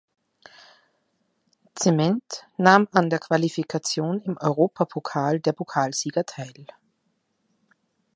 Zement nahm an der Qualifikation im Europapokal der Pokalsieger teil.